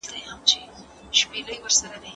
زه پرون چای څښم؟